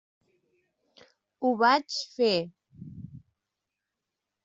Ho vaig fer.